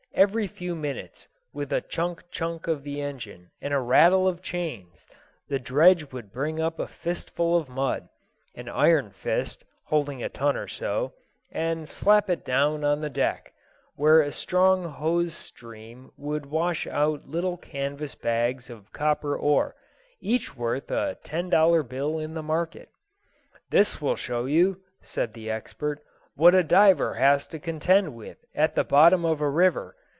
Every few minutes, with a chunk chunk of the engine and a rattle of chains, the dredge would bring up a fistful of mud (an iron fist, holding a ton or so) and slap it down on the deck, where a strong hose stream would wash out little canvas bags of copper ore, each worth a ten dollar bill in the market. "This will show you," said the expert, "what a diver has to contend with at the bottom of a river.